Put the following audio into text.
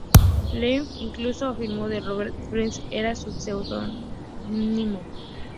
Levy incluso afirmó que Robert Spencer era su seudónimo.